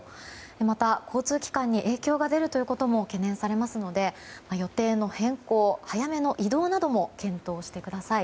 また交通機関に影響が出ることも懸念されますので予定の変更早めの移動なども検討してください。